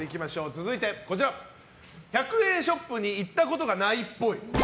続いて、１００円ショップに行ったことがないっぽい。